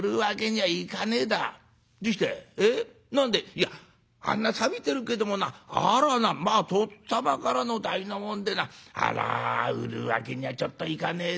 「いやあんなさびてるけどもなあれはなとっつぁまからの代のもんでなあら売るわけにはちょっといかねえでな」。